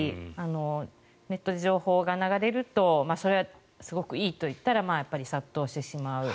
ネットで情報が流れるとそれがすごくいいといったら殺到してしまう。